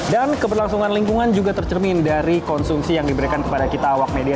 dan keberlangsungan lingkungan juga tercermin dari konsumsi yang diberikan kepada kita awak media